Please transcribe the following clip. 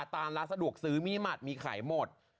ตามร้านสะดวกซื้อมินิไมล์มินิหมัดมีขายหมด